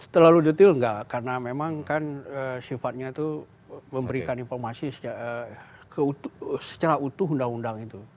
terlalu detail nggak karena memang kan sifatnya itu memberikan informasi secara utuh undang undang itu